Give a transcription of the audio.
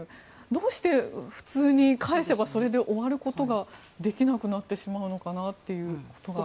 どうして普通に返せばそれで終わることができなくなってしまうのかなということが。